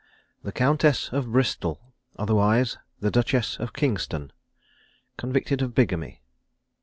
THE COUNTESS OF BRISTOL, OTHERWISE THE DUCHESS OF KINGSTON. CONVICTED OF BIGAMY.